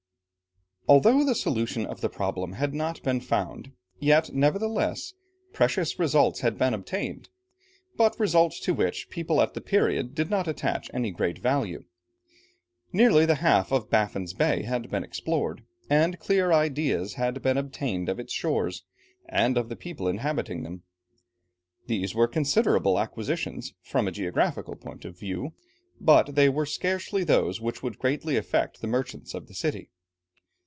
Although the solution of the problem had not been found, yet nevertheless, precious results had been obtained, but results to which people at that period did not attach any great value. Nearly the half of Baffin's Bay had been explored, and clear ideas had been obtained of its shores, and of the people inhabiting them. These were considerable acquisitions, from a geographical point of view, but they were scarcely those which would greatly affect the merchants of the city.